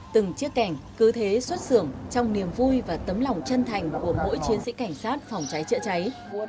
từng chiếc kẻm cứ thế xuất xưởng trong niềm vui và tấm lòng chân thành của mỗi chiến sĩ cảnh sát phòng cháy chữa cháy